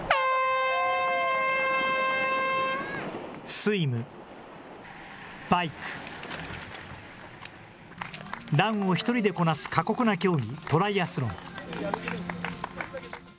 スイム、バイク、ランを１人でこなす過酷な競技、トライアスロン。